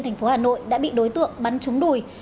thành phố hà nội đã bị đối tượng bắn trúng đùi